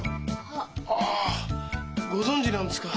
はっ？ああご存じなんですか？